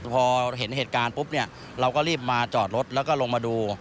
พอเห็นเหตุการณ์ปุ๊บเนี่ยเราก็รีบมาจอดรถแล้วก็ลงมาดู